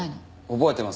覚えてます。